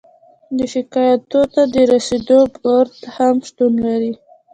د شکایاتو ته د رسیدو بورد هم شتون لري.